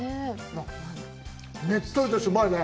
ねっとりとして、うまいね。